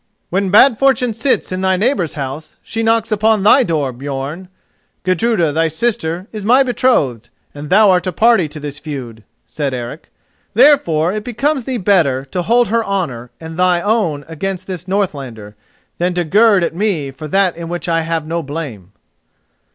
"When bad fortune sits in thy neighbour's house, she knocks upon thy door, Björn. Gudruda, thy sister, is my betrothed, and thou art a party to this feud," said Eric. "Therefore it becomes thee better to hold her honour and thy own against this Northlander, than to gird at me for that in which I have no blame."